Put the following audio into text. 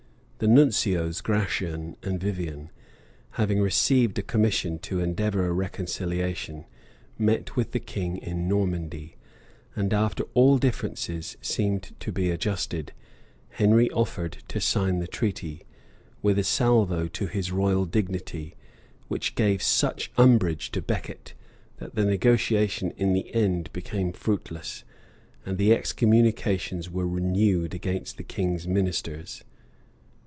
The nuncios, Gratian and Vivian, having received a commission to endeavor a reconciliation, met with the king in Normandy; and after all differences seemed to be adjusted, Henry offered to sign the treaty, with a salvo to his royal dignity; which gave such umbrage to Becket, that the negotiation in the end became fruitless, and the excommunications were renewed against the king's ministers.